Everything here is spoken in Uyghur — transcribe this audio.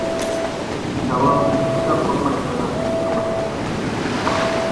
داۋامىنى ئۇزاق قالماي ئەۋەتىشكە كاپالەتلىك قىلىمەن!